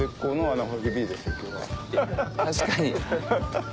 確かに。